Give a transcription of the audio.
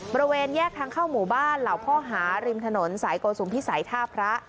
บริเวณแยกทางเข้าหมู่บ้านเหล่าพ่อหาริมถนนสายโกสุมพิสัยท่าพระ